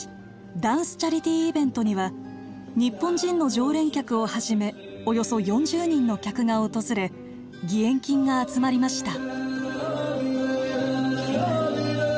ダンスチャリティーイベントには日本人の常連客をはじめおよそ４０人の客が訪れ義援金が集まりました。